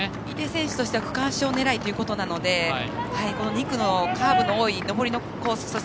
井手選手としては区間賞狙いということなので２区のカーブの多い上りのコース